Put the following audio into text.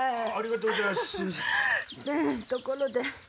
ところで。